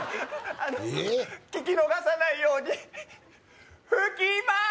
あの聞き逃さないように吹きまーす